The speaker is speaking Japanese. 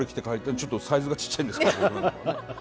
ちょっとサイズがちっちゃいんですけども。